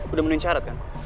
udah mendingin syarat kan